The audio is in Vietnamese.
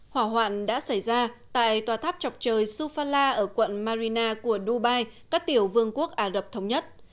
hỏa hoạn đã xảy ra tại tòa tháp chọc trời sufala ở quận marina của dubai các tiểu vương quốc ả rập thống nhất